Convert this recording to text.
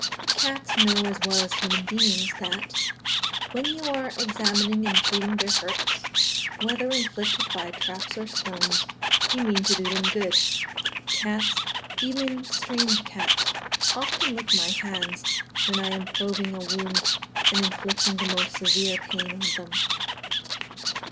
_) Cats know as well as a human beings, that, when you are examining and treating their hurts whether inflicted by traps or stones you mean to do them good. Cats, even strange cats, often lick my hands when I am probing a wound and inflicting the most severe pain on them.